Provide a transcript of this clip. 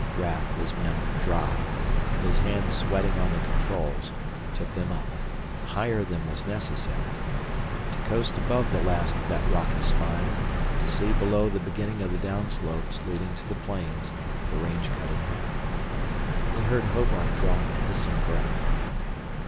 Raf, his mouth dry, his hands sweating on the controls, took them up higher than was necessary to coast above the last of that rocky spine to see below the beginning of the downslopes leading to the plains the range cut in half. He heard Hobart draw a hissing breath.